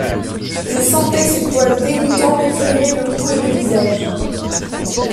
Je sentais ces poils dégoûtants m'effleurer le cou et le visage.